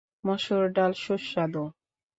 মসুর ডাল সুস্বাদু।